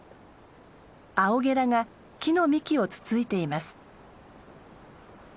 アオゲラが木の幹をつついています。